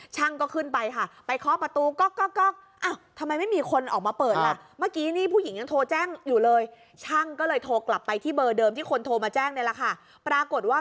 ช่างก็ขึ้นไปค่ะไปเคาะประตูก๊อกก๊อกก๊อก